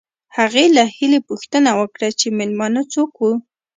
هغې له هیلې پوښتنه وکړه چې مېلمانه څوک وو